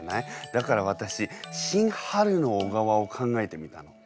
だから私「シン・春の小川」を考えてみたの。